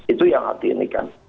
itu yang harus diindikan